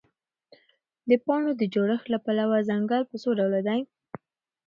د پاڼو د جوړښت له پلوه ځنګل په څوډوله دی؟